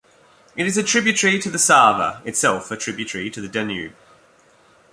It is a tributary to the Sava, itself a tributary to the Danube.